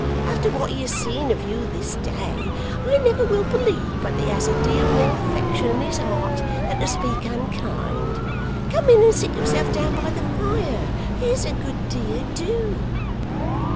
After what he has seen of you this day, I never will believe but that he has a deal more affection in his heart than to speak unkind. Come in and sit yourself down by the fire; there's a good dear do.